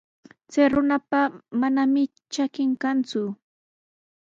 Chay runapa manami trakin kanku.